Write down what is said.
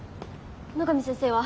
野上先生は？